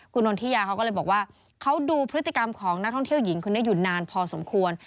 คุณนนทิยาเขาก็เลยบอกว่าเขาดูพฤติกรรมของนักท่องเที่ยวหญิงคนนี้อยู่นานพอสมควร